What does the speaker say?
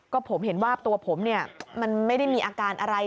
ก็ผมเห็นว่าตัวผมเนี่ยมันไม่ได้มีอาการอะไร